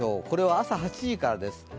これは朝８時からです。